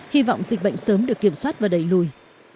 hy vọng dịch bệnh sớm được kiểm soát và đẩy lùi